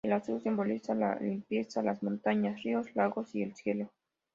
El azul simboliza la limpieza, las montañas, ríos, lagos y el cielo.